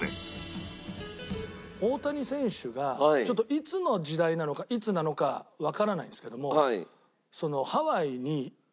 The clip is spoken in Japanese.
大谷選手がちょっといつの時代なのかいつなのかわからないんですけどもハワイに不思議な場所があって。